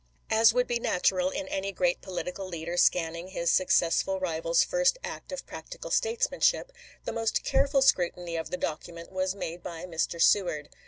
As would be natural in any great political leader scanning his successful rival's first act of practical statesmanship, the most careful scrutiny of the document was made by Mr. Seward.